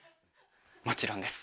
もちろんです。